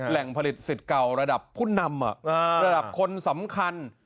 แหล่งผลิตสิทธิ์เก่าระดับผู้นำระดับคนสำคัญ